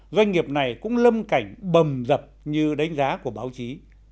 doanh nghiệp này cũng lâm cảnh bầm dập như đánh giá của báo chí